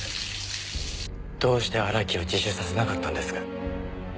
どうして荒木を自首させなかったんですか？